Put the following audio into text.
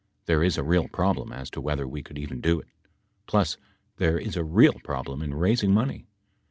There is a real problem as to whether we could even do it. Plus there is a real problem in raising money.